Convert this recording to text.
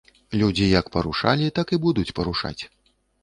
Людзі як парушалі, так і будуць парушаць.